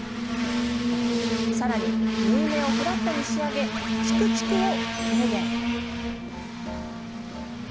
さらに縫い目をフラットに仕上げ、チクチクを軽減。